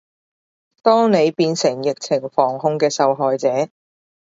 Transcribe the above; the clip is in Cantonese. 當你變成疫情防控嘅受害者